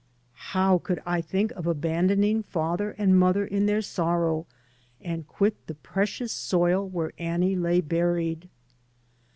How could I think of abandoning 88 TO AMERICA ON FOOT father and mother in their sorrow and quit the precious soil where Annie lay buried?